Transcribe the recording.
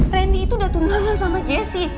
randy itu udah tungguin sama jesse